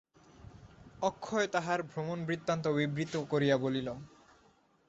অক্ষয় তাহার ভ্রমণবৃত্তান্ত বিবৃত করিয়া বলিল।